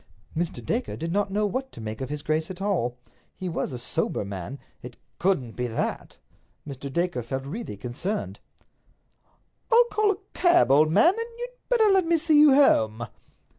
Mr. Dacre did not know what to make of his grace at all. He was a sober man—it couldn't be that! Mr. Dacre felt really concerned. "I'll call a cab, old man, and you'd better let me see you home."